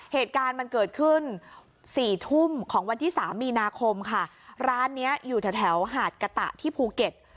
เหตุการณ์มันเกิดขึ้นสี่ทุ่มของวันที่สามมีนาคมค่ะร้านเนี้ยอยู่แถวแถวหาดกะตะที่ภูเก็ต